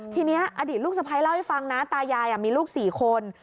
ทีนี้อดีตลูกสะพ้ายเล่าให้ฟังนะตายายมีลูก๔คน